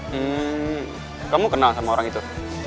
hmm kamu kenal sama orang itu